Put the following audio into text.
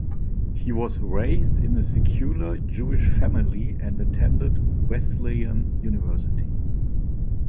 He was raised in a secular Jewish family, and attended Wesleyan University.